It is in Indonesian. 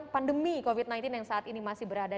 pandemi covid sembilan belas yang saat ini masih berada